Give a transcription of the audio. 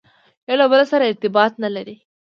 یو له بل سره ارتباط نه لري.